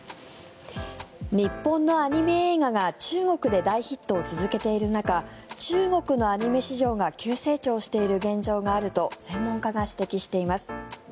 日本のアニメ映画が中国で大ヒットを続けている中中国のアニメ市場が急成長している現状があると専門家が指摘しています。